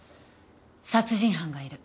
殺人犯がいる。